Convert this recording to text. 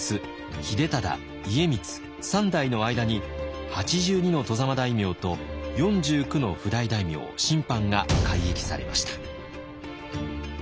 秀忠家光三代の間に８２の外様大名と４９の譜代大名・親藩が改易されました。